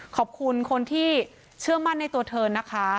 ขอบคุณคนที่เชื่อมั่นในตัวเธอนะคะ